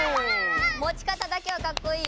もちかただけはカッコいいよ。